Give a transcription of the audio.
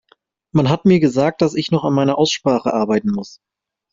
Man hat mir gesagt, dass ich noch an meiner Aussprache arbeiten muss.